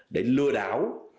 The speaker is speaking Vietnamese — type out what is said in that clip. để lừa đảo